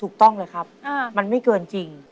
ถูกต้องเลยครับมันไม่เกินจริง